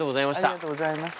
ありがとうございます。